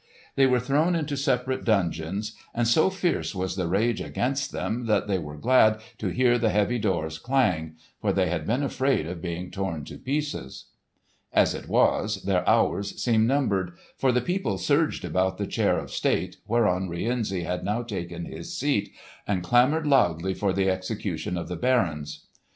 They were thrown into separate dungeons, and so fierce was the rage against them that they were glad to hear the heavy doors clang, for they had been afraid of being torn to pieces. As it was, their hours seemed numbered, for the people surged about the chair of state whereon Rienzi had now taken his seat, and clamoured loudly for the execution of the barons.